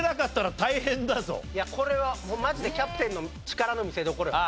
いやこれはマジでキャプテンの力の見せどころよ。